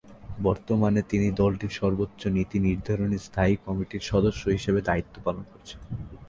বর্তমানে তিনি দলটির সর্বোচ্চ নীতি নির্ধারণী স্থায়ী কমিটির সদস্য হিসেবে দায়িত্ব পালন করছেন।